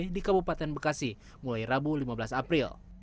di kabupaten bekasi mulai rabu lima belas april